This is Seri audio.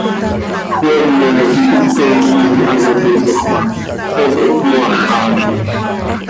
Joeene quih hitoj coi ano toiitoj ma, hanso hpmoaaxalim.